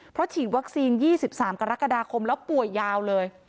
เพราะฉีดวัคซีน๒๓กรกฎาคมแล้วป่วยยาวเลย